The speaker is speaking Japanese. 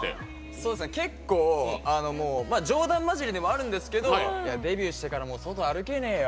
そうですね結構冗談まじりでもあるんですけどデビューしてからもう外歩けねえよ。